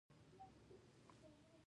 دی موسکی شو سباوون ته ووايه.